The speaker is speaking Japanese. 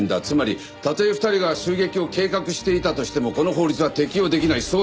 つまりたとえ２人が襲撃を計画していたとしてもこの法律は適用できない。